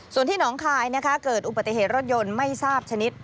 ส่วนที่หนองคายเกิดอุบัติเหตุรถยนต์ไม่ทราบชนิด